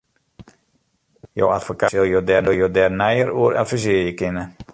Jo advokaat sil jo dêr neier oer advisearje kinne.